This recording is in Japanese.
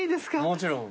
もちろん。